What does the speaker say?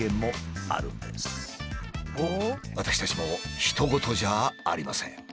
私たちもひと事じゃありません。